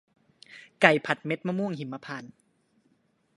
ไก่ผัดเม็ดมะม่วงหิมพานต์